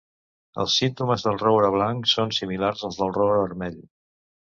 Els símptomes del roure blanc són similars als del roure vermell.